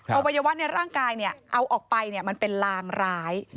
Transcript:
เอาวัยวะในร่างกายเนี่ยเอาออกไปเนี่ยมันเป็นรางราย